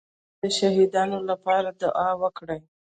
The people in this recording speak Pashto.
چې زما د شهيدانو لپاره دې دعا وکړي.